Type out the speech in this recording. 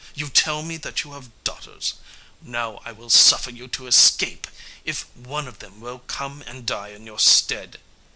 You tell me that you have daughters; now I will suffer you to escape if one of them will come and die in your stead.